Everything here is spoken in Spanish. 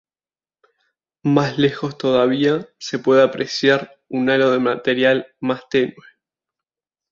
Más lejos todavía se puede apreciar un halo de material más tenue.